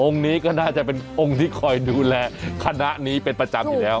นี้ก็น่าจะเป็นองค์ที่คอยดูแลคณะนี้เป็นประจำอยู่แล้ว